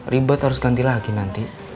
ribet harus ganti lagi nanti